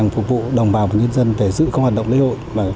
phục vụ đồng bào và nhân dân về giữ các hoạt động lễ hội